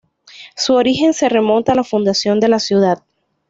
Su origen se remonta a la fundación de la ciudad.